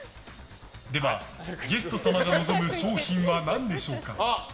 ではゲスト様が望む賞品は何でしょうか。